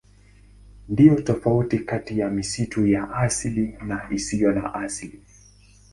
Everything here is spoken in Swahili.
Ndiyo tofauti kati ya misitu ya asili na isiyo ya asili.